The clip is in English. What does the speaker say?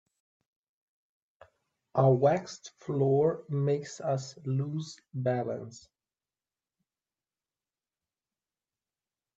A waxed floor makes us lose balance.